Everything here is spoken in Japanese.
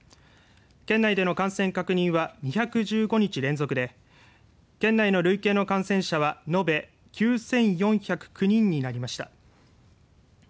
県内での感染確認は２１５日連続で県内の累計の感染者は延べ９４０９人になりました。